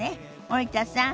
森田さん